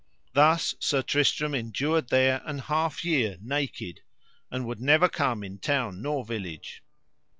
Thus Sir Tristram endured there an half year naked, and would never come in town nor village.